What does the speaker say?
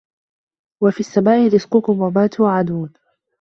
وَفِي السَّماءِ رِزقُكُم وَما توعَدونَ